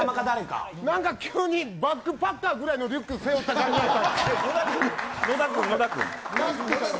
急にバックパッカーみたいなリュック背負った感じでした。